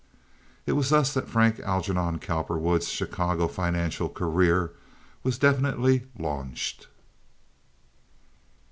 It was thus that Frank Algernon Cowperwood's Chicago financial career was definitely launched.